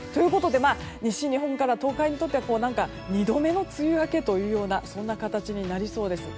西日本から東海にとっては２度目の梅雨明けというようなそんな形になりそうです。